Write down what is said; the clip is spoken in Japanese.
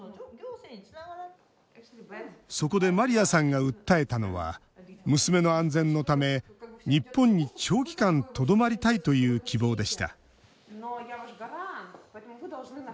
そこでマリアさんが訴えたのは娘の安全のため日本に長期間とどまりたいという希望でした。